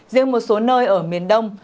riêng một số nơi ở miền đông